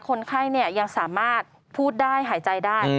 คนไข้ยังสามารถพูดได้หายใจได้